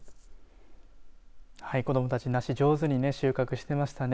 子どもたち、梨上手に収穫していましたね。